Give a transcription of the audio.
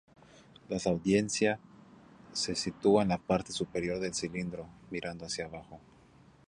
Las audiencia se sitúa en la parte superior del cilindro, mirando hacia abajo.